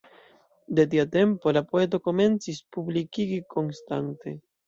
De tia tempo la poeto komencis publikigi konstante.